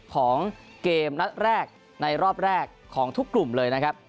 ของเกมนัดแรกในรอบแรกของทุกกลุ่มเลยนะครับ